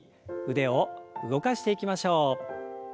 腕を動かしていきましょう。